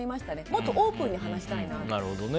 もっとオープンに話したいなって。